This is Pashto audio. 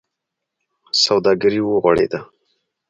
سوداګري و غوړېده.